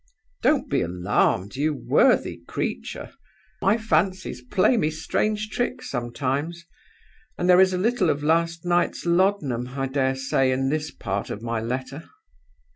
Don't be alarmed, you worthy creature! My fancies play me strange tricks sometimes; and there is a little of last night's laudanum, I dare say, in this part of my letter.